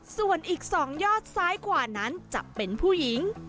ส่วนอีก๒ยอดซ้ายกว่านั้นจะเป็นผู้หญิง